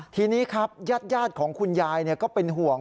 ทีนี้ครับญาติของคุณยายก็เป็นห่วง